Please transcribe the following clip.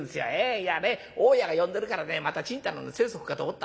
いやね大家が呼んでるからねまたチンタナの催促かと思った。